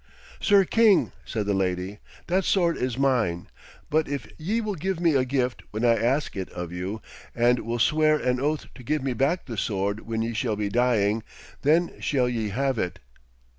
'Sir king,' said the lady, 'that sword is mine; but if ye will give me a gift when I ask it of you, and will swear an oath to give me back the sword when ye shall be dying, then shall ye have it.'